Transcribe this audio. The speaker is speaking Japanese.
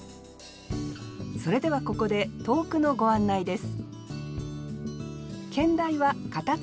それではここで投句のご案内です